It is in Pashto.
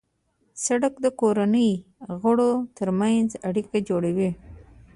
سړک د کورنۍ غړو ترمنځ اړیکه جوړوي.